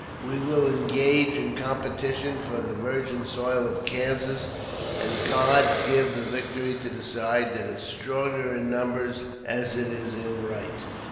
We will engage in competition for the virgin soil of Kansas, and God give the victory to the side that is stronger in numbers as it is in right."